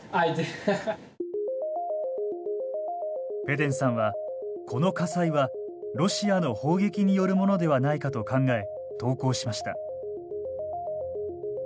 ペデンさんはこの火災はロシアの砲撃によるものではないかと考え投稿しました。